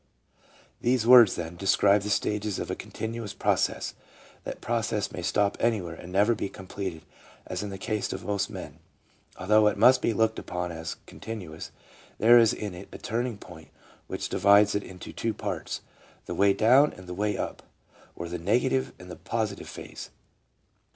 These words, then, describe the stages of a continuous pro cess. That process may stop anywhere and never be com pleted, as in the case of most men. Although it must be looked upon as continuous, there is in it a turning point which divides it into two parts : the "way down" and the " way up ;" or the " negative " and the " positive " phase.